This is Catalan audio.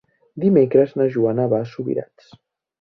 Dimecres na Joana va a Subirats.